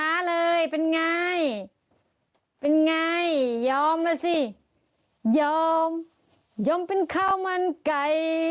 เลยเป็นไงเป็นไงยอมแล้วสิยอมยอมเป็นข้าวมันไก่